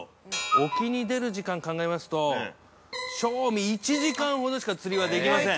沖に出る時間を考えますと、正味１時間ほどしか、釣りはできません。